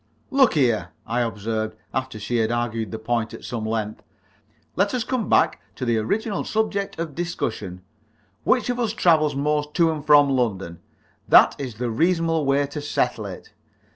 "Look here!" I observed, after she had argued that point at some length, "let us come back to the original subject of discussion. Which of us travels most to and from London? That is the reasonable way to settle it."